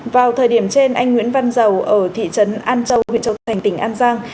vào thời điểm trên anh nguyễn văn dầu ở thị trấn an châu huyện châu thành tỉnh an giang